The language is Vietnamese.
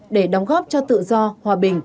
để đóng góp cho tự do hòa bình